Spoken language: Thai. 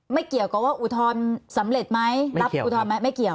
ไม่เกี่ยวกับว่าอุทธรณ์สำเร็จไหมรับอุทธรณไหมไม่เกี่ยว